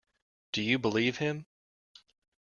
Do you believe him?